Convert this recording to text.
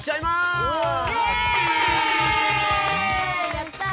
やった！